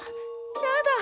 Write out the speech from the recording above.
やだ。